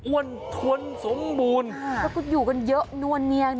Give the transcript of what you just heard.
อ้วนทวนสมบูรณ์